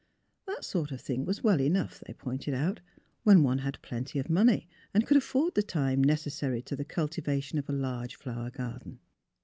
That sort of thing was well enough, they pointed out, when one had plenty of money and could afford the time necessary to the cultivation of a large flower garden.